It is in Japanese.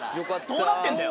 どうなってんだよ。